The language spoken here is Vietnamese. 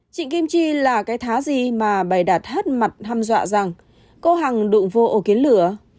trịnh kim chi là cái thá gì mà bày đặt hết mặt ham dọa rằng cô hằng đụng vô ổ kiến lửa